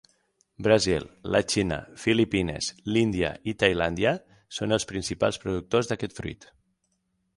Brasil, la Xina, Filipines, l'Índia i Tailàndia són els principals productors d'aquest fruit.